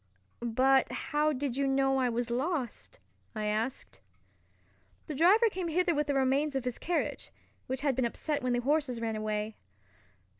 "But how did you know I was lost?" I asked. "The driver came hither with the remains of his carriage, which had been upset when the horses ran away."